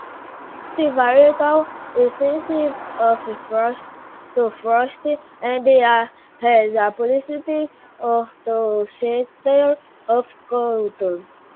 The varietal is sensitive to frost and has a proclivity to shatter or coulure.